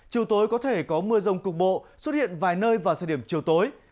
chiều tối có thể có mưa rông cục bộ xuất hiện vài nơi vào thời điểm chiều tối